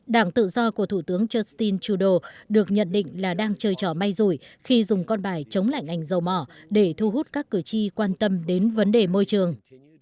đảng tự do của thủ tướng justin trudeau được nhận định là đang chơi trò may rủi khi dùng con bài chống lạnh ảnh dầu mỏ để thu hút các cử tri quan tâm đến vấn đề môi trường